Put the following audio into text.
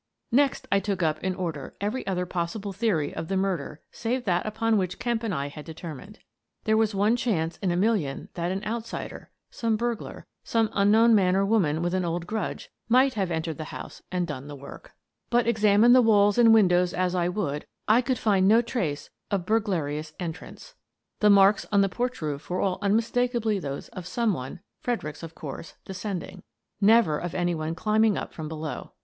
Next I took up, in order, every other possible theory of the murder save that upon which Kemp and I had determined. There was one chance in a million that an outsider — some burglar, some un known man or woman with an old grudge — might have entered the house and done the work. But, ex We Hunt for Blood stains 113 === =====3 amine the walls and windows as I would, I could find no trace of burglarious entrance. The marks on the porch roof were all unmistakably those of some one — Fredericks, of course — descending; never of any one climbing up from below.